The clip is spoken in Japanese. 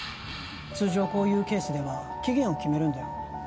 通常こういうケースでは期限を決めるんだよ